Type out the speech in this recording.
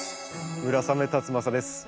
村雨辰剛です。